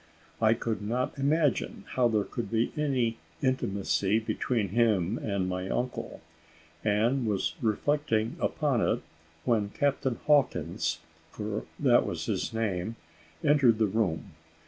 I could not imagine how there could be any intimacy between him and my uncle, and was reflecting upon it when Captain Hawkins, for that was his name, entered the room.